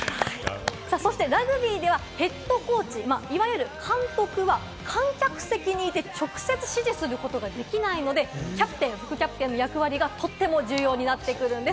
そしてラグビーではヘッドコーチ、いわゆる監督は観客席にいて、直接指示することができないので、キャプテン、副キャプテンの役割がとっても重要になってくるんです。